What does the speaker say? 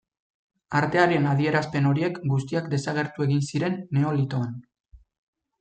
Artearen adierazpen horiek guztiak desagertu egin ziren Neolitoan.